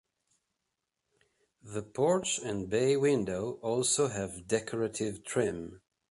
The porch and bay window also have decorative trim.